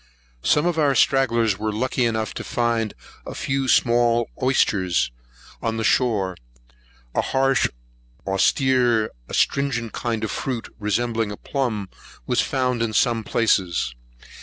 Some of our stragglers were lucky enough to find a few small oysters on the shore. A harsh, austere, astringent kind of fruit, resembling a plumb, was found in some places.